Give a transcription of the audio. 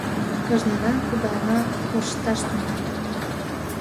Кажнынан кыдална коршташ тӱҥале.